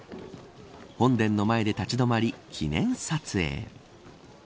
本殿の前で立ち止まり記念撮影。